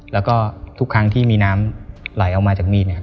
แล้วก็ทุกครั้งที่มีน้ำไหลเอามาจากมีด